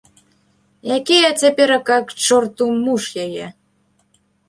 Які я цяперака, к чорту, муж яе?